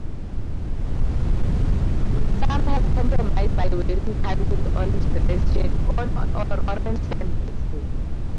Some have compromised by wearing ties with orange dress shirts or orange sundresses.